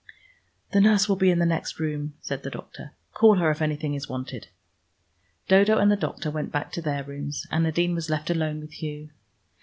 "The nurse will be in the next room," said the doctor; "call her if anything is wanted." Dodo and the doctor went back to their rooms, and Nadine was left alone with Hugh.